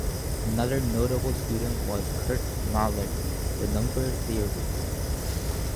Another notable student was Kurt Mahler, the number theorist.